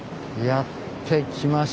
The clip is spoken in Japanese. やって来ました。